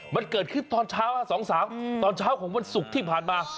มันเกิดขึ้นตอนเช้า๒๓ตอนเช้าของวันศุกร์ที่ผ่านมา